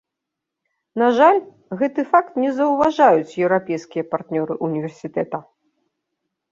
На жаль, гэты факт не заўважаюць еўрапейскія партнёры ўніверсітэта.